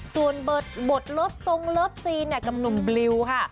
ส่วนบทแล้วซงแล้วซีนกับหนุ่มบริ๊วค่ะ